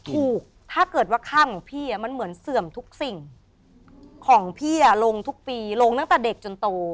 ถ้าเกิดว่าข้ามของพี่มันเหมือนเสื่อมทุกสิ่งของพี่ลงทุกปีลงตั้งแต่เด็กจนโต